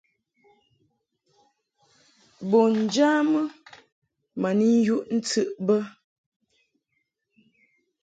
Bun njamɨ ma ni yuʼ ntɨʼ bə.